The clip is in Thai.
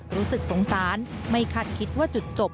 รู้สึกสงสารไม่คาดคิดว่าจุดจบ